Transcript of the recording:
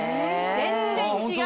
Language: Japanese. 全然違う。